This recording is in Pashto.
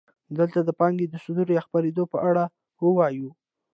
دلته د پانګې د صدور یا خپرېدو په اړه وایو